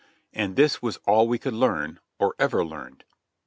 And this was all we could learn — or ever learned.